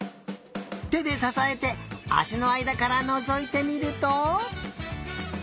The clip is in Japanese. てでささえてあしのあいだからのぞいてみると？